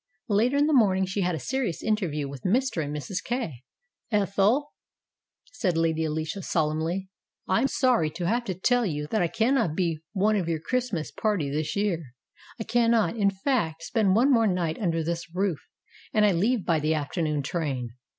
Later in the morning she had a serious interview with Mr. and Mrs. Kay. "Ethel," said Lady Alicia solemnly, "I am sorry to have to tell you that I cannot be one of your Christ mas party this year. I cannot, in fact, spend one more night under this roof, and I leave by the after noon train.